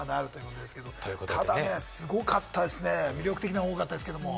ただね、すごかったですね、魅力的なのが多かったですけれども。